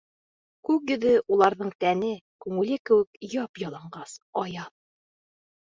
Күк йөҙө уларҙың тәне, күңеле кеүек яп-яланғас, аяҙ.